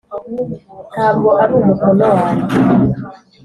ntabwo ari umukono wanjye.